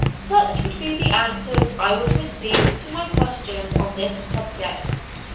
Such would be the answers I would receive to my questions on this subject.